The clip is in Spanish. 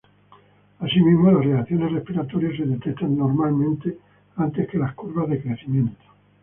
Asimismo, las reacciones respiratorias se detectan normalmente antes que las curvas de crecimiento.